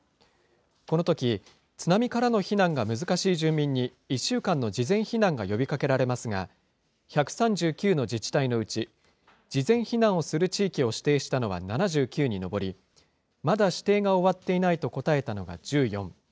このとき、津波からの避難が難しい住民に、１週間の事前避難が呼びかけられますが、１３９の自治体のうち、事前避難をする地域を指定したのは７９に上り、まだ指定が終わっていないと答えたのは１４。